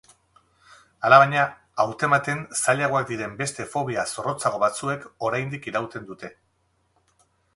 Alabaina, hautematen zailagoak diren beste fobia zorrotzago batzuek oraindik irauten dute.